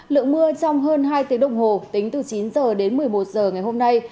lượng mưa trong hơn hai tiếng đồng hồ tính từ chín h đến một mươi một h ngày hôm nay